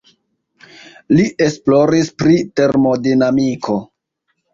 Li esploris pri termodinamiko.